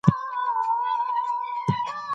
روغ ژوند انتخاب دی.